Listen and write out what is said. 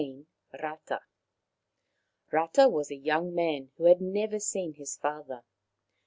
RATA Rata was a young man who had never seen his father.